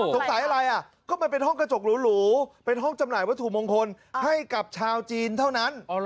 สงสัยอะไรอ่ะก็มันเป็นห้องกระจกหรูเป็นห้องจำหน่ายวัตถุมงคลให้กับชาวจีนเท่านั้น